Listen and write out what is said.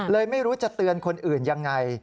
ไม่รู้จะเตือนคนอื่นยังไง